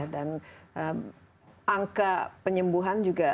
dan angka penyembuhan juga